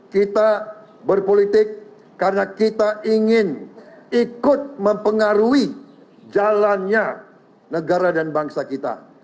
kita berpolitik karena kita ingin ikut mempengaruhi jalannya negara dan bangsa kita